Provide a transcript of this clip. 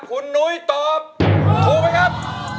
คุณนุ้ยตอบถูกไหมครับ